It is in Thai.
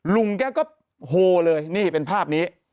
ลุงแกก็โฮเลยนี่เป็นภาพนี้